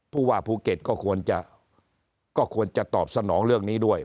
ผู้ว่าภูเก็ตก็ควรจะก็ควรจะตอบสนองเรื่องนี้ด้วย